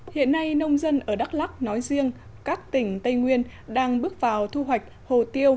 hiện nay nông dân ở đắk lắc nói riêng các tỉnh tây nguyên đang bước vào thu hoạch hồ tiêu